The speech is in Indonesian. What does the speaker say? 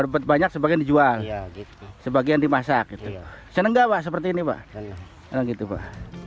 udah banyak sebagai dijual sebagian dimasak itu seneng gak pak seperti ini pak gitu pak